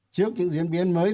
trước những diễn biến mới